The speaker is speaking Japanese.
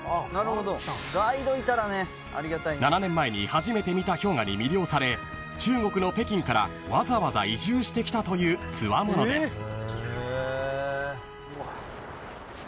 ［７年前に初めて見た氷河に魅了され中国の北京からわざわざ移住してきたというつわものです］